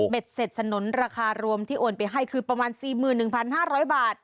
เสร็จสนุนราคารวมที่โอนไปให้คือประมาณ๔๑๕๐๐บาท